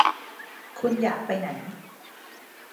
คุณอยากไปไหน